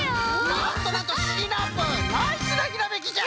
なんとなんとシナプーナイスなひらめきじゃ。